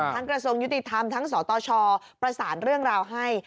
กระทรวงยุติธรรมทั้งสตชประสานเรื่องราวให้